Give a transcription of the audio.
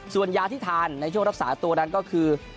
ส่วนยาที่ทานในช่วงรักษาตัวนั้นก็คือ